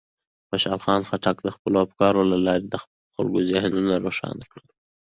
خوشحال خان خټک د خپلو افکارو له لارې د خلکو ذهنونه روښانه کړل.